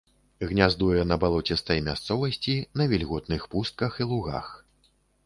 Гняздуе на балоцістай мясцовасці, на вільготных пустках і лугах.